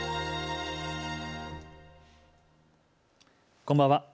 こんばんは。